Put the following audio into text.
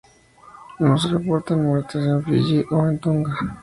No se reportaron muertes en Fiyi o en Tonga.